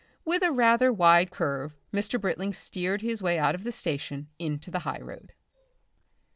With a rather wide curve Mr. Britling steered his way out of the station into the highroad.